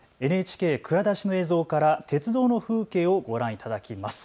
ＮＨＫ蔵出しの映像から鉄道の風景をご覧いただきます。